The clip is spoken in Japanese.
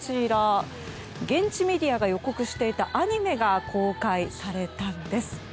現地メディアが予告していたアニメが公開されたんです。